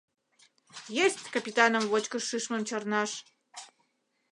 — Есть капитаным вочкыш шӱшмым чарнаш!